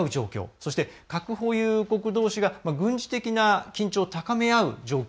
そして、核保有国どうしが軍事的な緊張を高め合う状況。